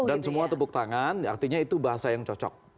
dan semua tepuk tangan artinya itu bahasa yang cocok